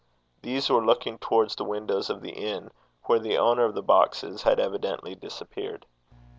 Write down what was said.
These were looking towards the windows of the inn, where the owner of the boxes had evidently disappeared.